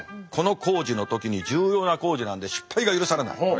この工事の時に重要な工事なんで失敗が許されない。